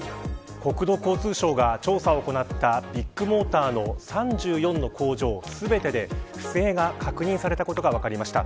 国土交通省が調査を行ったビッグモーターの３４の工場、全てで不正が確認されたことが分かりました。